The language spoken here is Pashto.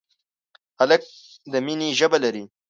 هلک د مینې ژبه لري.